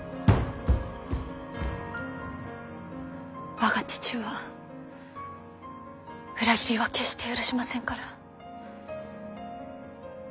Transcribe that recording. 我が父は裏切りは決して許しませんから。